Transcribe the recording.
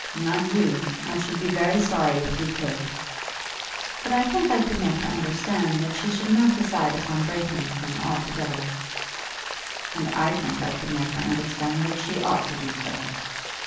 "Not you! I should be very sorry if you could." "But I think I could make her understand that she should not decide upon breaking with him altogether." "And I think I could make her understand that she ought to do so."